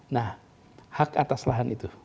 nah hak atas lahan itu